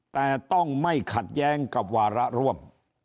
แต่ต้องไม่ขัดแย้งกับวาระร่วม